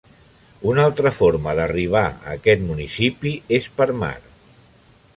Una altra forma d'arribar a aquest municipi és per mar.